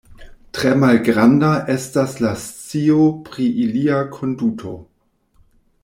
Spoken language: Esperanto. Tre malgranda estas la scio pri ilia konduto.